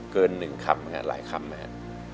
เกิน๑คำหรืออะไรคำมั้ย